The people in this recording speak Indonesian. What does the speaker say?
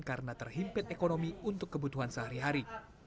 karena terhimpit ekonomi untuk kebutuhan sehari hari